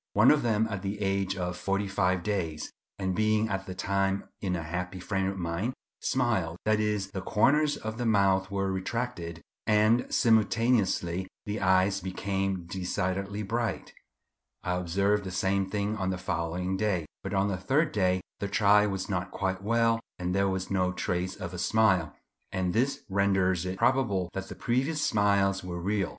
One of them at the age of forty five days, and being at the time in a happy frame of mind, smiled; that is, the corners of the mouth were retracted, and simultaneously the eyes became decidedly bright. I observed the same thing on the following day; but on the third day the child was not quite well and there was no trace of a smile, and this renders it probable that the previous smiles were real.